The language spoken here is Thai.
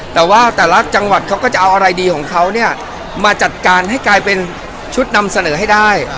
แต่ว่าแต่ละจังหวัดเขาก็จะเอาอะไรดีของเขาเนี่ยมาจัดการให้กลายเป็นชุดนำเสนอให้ได้